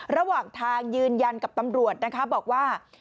ระหว่างทางยืนยันกับตำรวจนะคะบอกว่า